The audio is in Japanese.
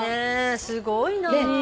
すごいな。